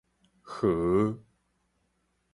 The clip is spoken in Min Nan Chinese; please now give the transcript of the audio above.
豪